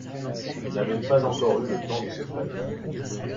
N'avaient pas encore eu le temps de se faner.